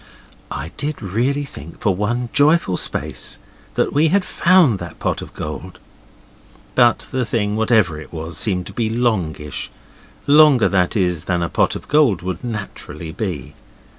I did really think for one joyful space that we had found that pot of gold. But the thing, whatever it was, seemed to be longish; longer, that is, than a pot of gold would naturally be.